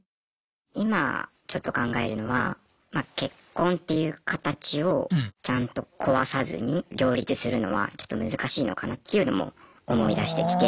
今ちょっと考えるのは結婚っていう形をちゃんと壊さずに両立するのはちょっと難しいのかなっていうのも思いだしてきて。